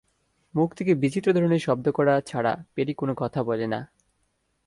মুখ থেকে বিচিত্র ধরনের শব্দ করা ছাড়া পেরি কোনো কথা বলে না।